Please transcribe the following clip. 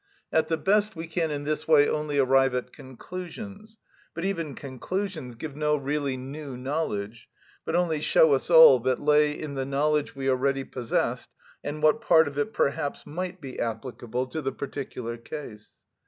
At the best we can in this way only arrive at conclusions; but even conclusions give no really new knowledge, but only show us all that lay in the knowledge we already possessed, and what part of it perhaps might be applicable to the particular case.